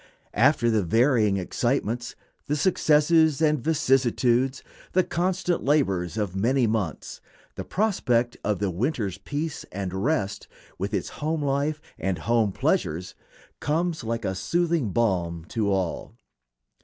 After the varying excitements, the successes and vicissitudes, the constant labors of many months, the prospect of the winter's peace and rest, with its home life and home pleasures, comes like a soothing balm to all.